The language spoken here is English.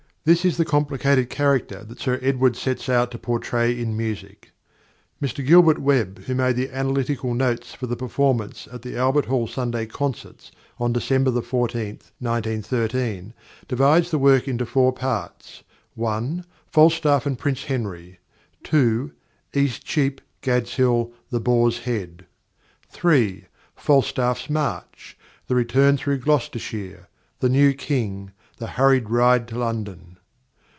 This is the complicated character that Sir Edward sets out to portray in music. Mr Gilbert Webb, who made the analytical notes for the performance at the Albert Hall Sunday Concerts on December 14, 1913, divides the work into four parts: (1) Falstaff and Prince Henry. (2) Eastcheap, Gadshill, The Boar's Head. (3) Falstaff's March. The Return through Gloucestershire. The New King. The hurried Ride to London.